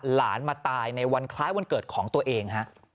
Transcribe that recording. หลานมาตายในวันคล้ายวันเกิดของตัวเองฮะ